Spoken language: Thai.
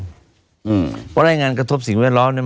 เพราะรายงานกระทบสิ่งแวดล้อมเนี่ย